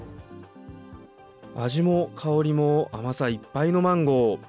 味も香りも甘さいっぱいのマンゴー。